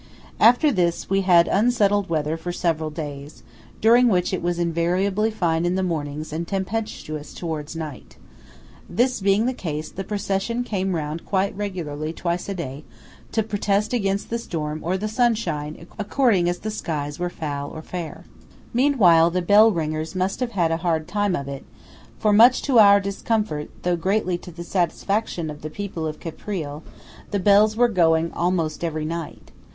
After this we had unsettled weather for several days, during which it was invariably fine in the mornings and tempestuous towards night. This being the case, the procession came round quite regularly twice a day, to protest against the storm or the sunshine according as the skies were foul or fair. Meanwhile the bell ringers must have had a hard time of it, for–much to our discomfort, though greatly to the satisfaction of the people of Caprile–the bells were going almost every night.